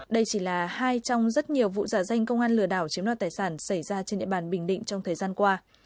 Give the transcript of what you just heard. đây chỉ là hai trong rất nhiều vụ giả danh công an lừa đảo chiếm đoạt tài sản xảy ra trên địa bàn bình định trong thời gian qua